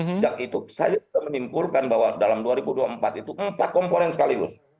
sejak itu saya sudah menyimpulkan bahwa dalam dua ribu dua puluh empat itu empat komponen sekaligus